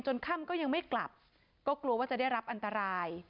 ค่ำก็ยังไม่กลับก็กลัวว่าจะได้รับอันตราย